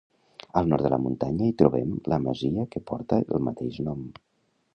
Al nord de la muntanya hi trobem la masia que porta el mateix nom.